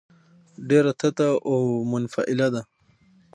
ډېره تته او منفعله ده.